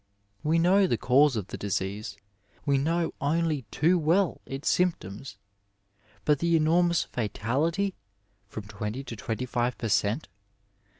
We know the cause of the disease ; we know only too well its symptoms, but the enonnous btality (from twenty to twenty five per cent.)